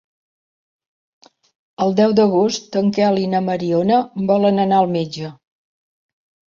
El deu d'agost en Quel i na Mariona volen anar al metge.